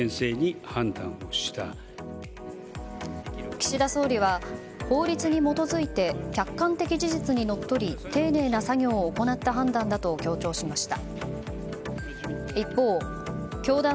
岸田総理は、法律に基づいて客観的事実にのっとり丁寧な作業を行った判断だと強調しました。